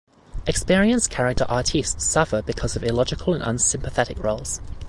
Experienced character artistes suffer because of illogical and unsympathetic roles.